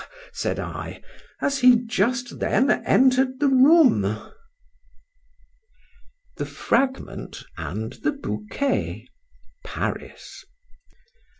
said I, as he just then enter'd the room. THE FRAGMENT, AND THE BOUQUET. PARIS.